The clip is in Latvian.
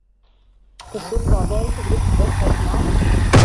Tas ir, kādēļ tu gribi precēt mani?